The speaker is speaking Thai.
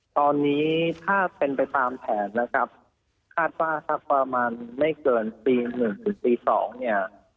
ตอนนี้ถ้าเป็นไปตามแผนนะครับคาดว่าสักประมาณไม่เกินตีหนึ่งถึงตีสองเนี่ย